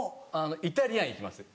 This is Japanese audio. イタリアン行きます。